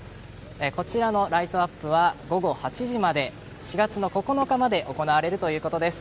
こちらのライトアップは午後８時まで、４月９日まで行われるということです。